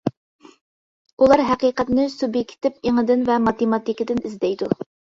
ئۇلار ھەقىقەتنى سۇبيېكتىپ ئېڭىدىن ۋە ماتېماتىكىدىن ئىزدەيدۇ.